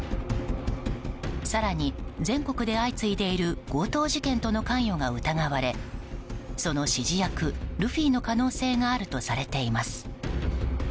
更に、全国で相次いでいる強盗事件との関与が疑われその指示役、ルフィの可能性があるとされています。